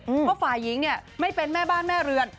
เพราะฝ่ายหญิงเนี่ยไม่เป็นแม่บ้านแม่เรือน